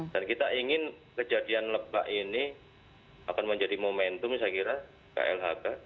dan kita ingin kejadian lebak ini akan menjadi momentum saya kira klhk